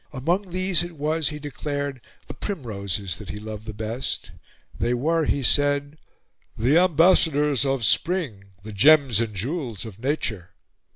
Among these it was, he declared, the primroses that he loved the best. They were, he said, "the ambassadors of Spring, the gems and jewels of Nature."